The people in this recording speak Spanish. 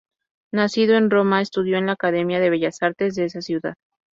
Nacido en Roma, estudió en la Academia de Bellas Artes de esa ciudad.